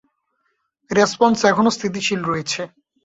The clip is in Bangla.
রেসপন্স এখনো স্থিতিশীল রয়েছে।